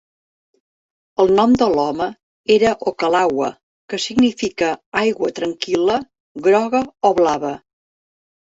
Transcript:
El nom de l'home era "Oka-laua", que significa aigua tranquil·la groga o blava.